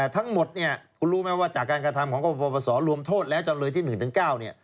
ทั้งหมดเนี่ยคุณรู้ไหมว่าจากการกระทำของกรปศรวมโทษแล้วจำเลยที่๑ถึง๙